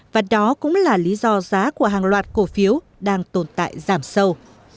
và đó cũng là lý do giá của hàng loạt cổ phiếu đang tồn tại giảm sâu